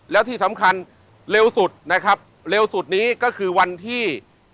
แล้วที่สำคัญเร็วสุดนะครับเร็วสุดนี้ก็คือวันที่